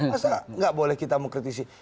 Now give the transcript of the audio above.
masa nggak boleh kita mengkritisi